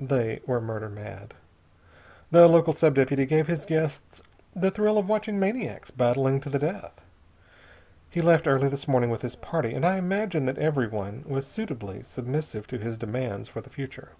They were murder mad. The local sub deputy gave his guests the thrill of watching maniacs battling to the death. He left early this morning with his party, and I imagine that everyone was suitably submissive to his demands for the future.